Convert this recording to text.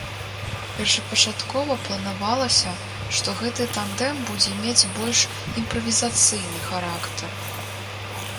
Першапачаткова планавалася, што гэты тандэм будзе мець больш імправізацыйны характар.